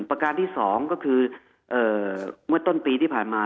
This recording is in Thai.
ประการที่๒ก็คือเมื่อต้นปีที่ผ่านมา